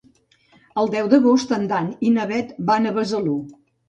El deu d'agost en Dan i na Bet van a Besalú.